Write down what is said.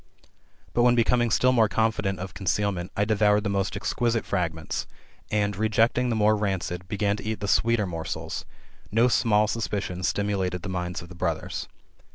But when, becoming still more confident of concealment, I devoured the most exquisite fragments, and, rejecting the more rancid, began to eat the sweeter morsels; no small suspicion stimulated the minds of the brothers.